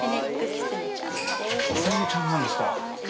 キツネちゃんなんですか。